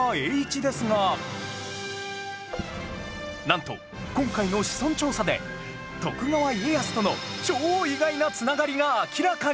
なんと今回のシソン調査で徳川家康との超意外な繋がりが明らかになったんです！